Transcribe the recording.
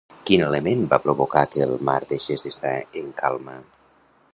Quin element va provocar que el mar deixés d'estar en calma?